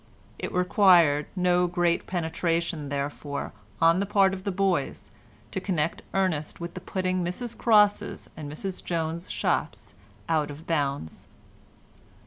It required no great penetration therefore, on the part of the boys to connect Ernest with the putting Mrs Cross's and Mrs Jones's shops out of bounds.